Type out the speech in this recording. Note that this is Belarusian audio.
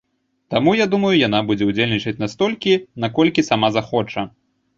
Таму, я думаю, яна будзе ўдзельнічаць настолькі, наколькі сама захоча.